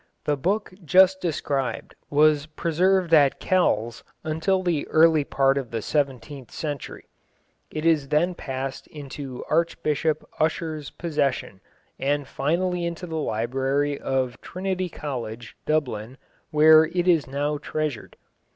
The book just described was preserved at Kells until the early part of the seventeenth century. It then passed into Archbishop Ussher's possession, and finally into the library of Trinity College, Dublin, where it is now treasured.